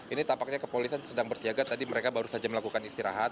ini tampaknya kepolisian sedang bersiaga tadi mereka baru saja melakukan istirahat